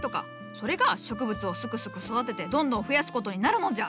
それが植物をすくすく育ててどんどん増やすことになるのじゃ！